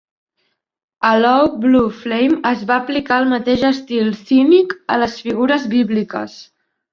A "Low Blue Flame", es va aplicar el mateix estil cínic a les figures bíbliques.